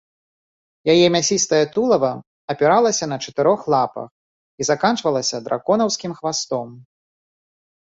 Яе мясістае тулава апіралася на чатырох лапах і заканчвалася драконаўскім хвастом.